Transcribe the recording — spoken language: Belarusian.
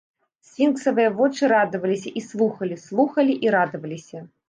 Сфінксавыя вочы радаваліся і слухалі, слухалі і радаваліся.